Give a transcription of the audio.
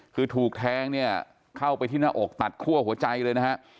คือถูกแทงเนี่ยเข้าไปที่หน้าอกตัดคั่วหัวใจเลยนะฮะ